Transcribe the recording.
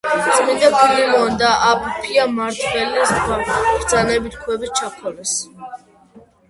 წმინდა ფილიმონი და აპფია მმართველის ბრძანებით ქვებით ჩაქოლეს.